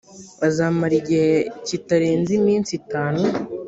azamara igihe kitarenze iminsi itanu .